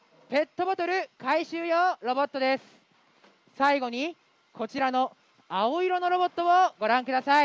最後にこちらの青色のロボットをご覧下さい。